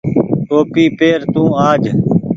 ٽوپي پير تو آج۔